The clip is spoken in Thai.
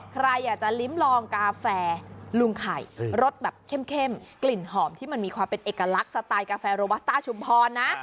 ใครอยากจะลิ้มลองกาแฟลุงไข่รสแบบเข้มกลิ่นหอมที่มันมีความเป็นเอกลักษณ์สไตล์กาแฟโรบัสต้าชุมพรนะ